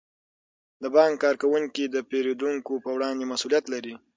د بانک کارکوونکي د پیرودونکو په وړاندې مسئولیت لري.